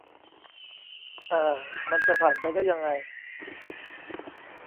อ่า มันจะผ่านไปได้ยังไง